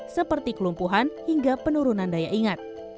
seperti kelumpuhan hingga penurunan daya ingat